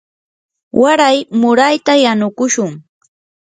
waray murayta yanukushun.